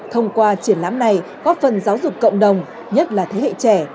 thông qua triển lãm này góp phần giáo dục cộng đồng nhất là thế hệ trẻ